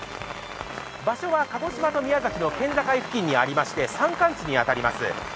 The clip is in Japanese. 場所は鹿児島と宮崎の県境付近にありまして山間地になります。